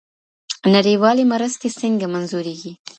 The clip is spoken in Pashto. نړیوالي مرستي څنګه منظوریږي؟